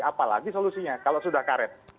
apalagi solusinya kalau sudah karet